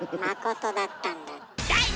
「まこと」だったんだ。